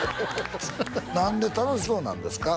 何で楽しそうなんですか？